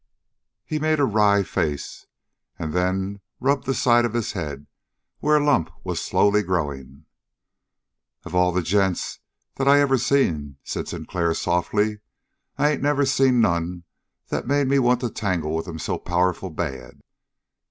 He made a wry face and then rubbed the side of his head where a lump was slowly growing. "Of all the gents that I ever seen," said Sinclair softly, "I ain't never seen none that made me want to tangle with 'em so powerful bad.